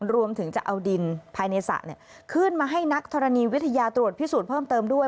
รวมถึงจะเอาดินภายในสระขึ้นมาให้นักธรณีวิทยาตรวจพิสูจน์เพิ่มเติมด้วย